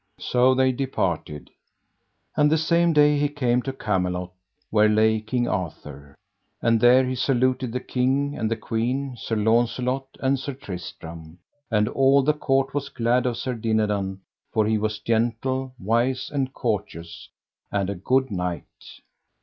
So they departed. And the same day he came to Camelot, where lay King Arthur. And there he saluted the king and the queen, Sir Launcelot, and Sir Tristram; and all the court was glad of Sir Dinadan, for he was gentle, wise, and courteous, and a good knight.